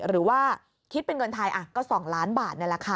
หรือว่าคิดเป็นเงินไทยก็๒ล้านบาทนี่แหละค่ะ